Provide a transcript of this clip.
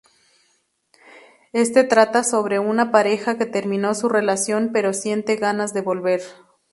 Este trata sobre una pareja que terminó su relación pero siente ganas de volver.